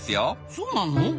そうなの？